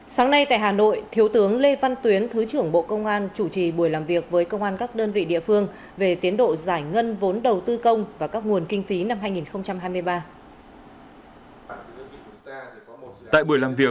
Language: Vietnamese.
sáng nay tại hà nội thiếu tướng lê văn tuyến thứ trưởng bộ công an chủ trì buổi làm việc với công an các đơn vị địa phương về tiến độ giải ngân vốn pháp